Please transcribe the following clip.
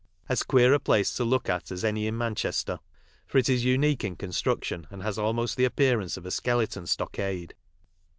As queer a place to look at as any in Manchester, for it is unique in construction, and has almost the appear ance of a skeleton stockade.